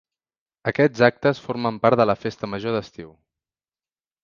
Aquests actes formen part de la festa major d'estiu.